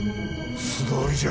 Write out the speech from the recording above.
素通りじゃ。